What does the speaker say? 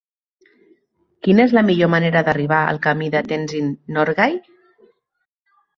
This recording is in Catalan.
Quina és la millor manera d'arribar al camí de Tenzing Norgay?